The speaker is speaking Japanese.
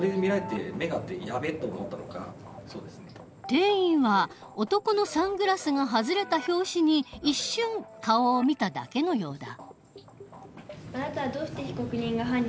店員は男のサングラスが外れた拍子に一瞬顔を見ただけのようだ。